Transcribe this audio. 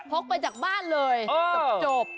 กไปจากบ้านเลยจบ